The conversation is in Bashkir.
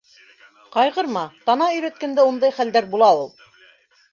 Ҡайғырма: тана өйрәткәндә ундай хәлдәр була ул...